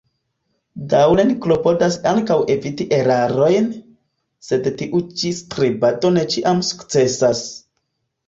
Daŭre ni klopodas ankaŭ eviti erarojn, sed tiu ĉi strebado ne ĉiam sukcesas.